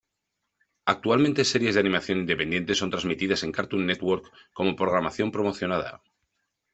Actualmente, series de animación independiente son transmitidas en Cartoon Network como programación promocionada.